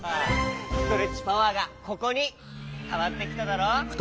ストレッチパワーがここにたまってきただろう？